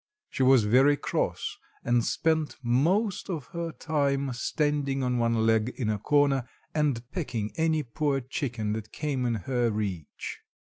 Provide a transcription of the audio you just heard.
She was very cross and spent most of her time standing on one leg in a corner and pecking any poor chicken that came in her reach.